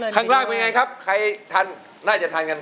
ข้างล่างเป็นไงครับใครทานน่าจะทานกัน